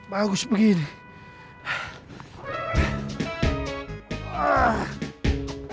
mau bang covid